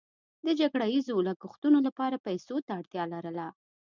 د جګړه ییزو لګښتونو لپاره پیسو ته اړتیا لرله.